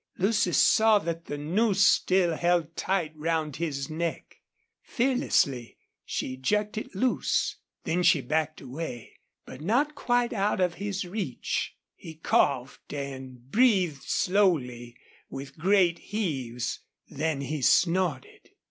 Lucy saw that the noose still held tight round his neck. Fearlessly she jerked it loose. Then she backed away, but not quite out of his reach. He coughed and breathed slowly, with great heaves. Then he snorted.